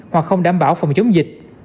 hoặc không đảm bảo phòng chống dịch